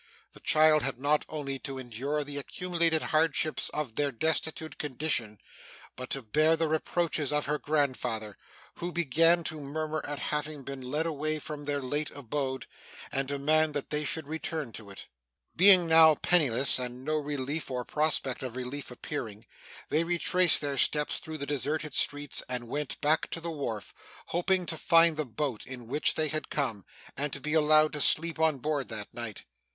The child had not only to endure the accumulated hardships of their destitute condition, but to bear the reproaches of her grandfather, who began to murmur at having been led away from their late abode, and demand that they should return to it. Being now penniless, and no relief or prospect of relief appearing, they retraced their steps through the deserted streets, and went back to the wharf, hoping to find the boat in which they had come, and to be allowed to sleep on board that night.